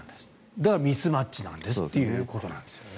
だからミスマッチなんですということなんですね。